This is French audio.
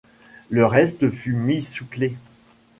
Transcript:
Le reste fut mis sous clef.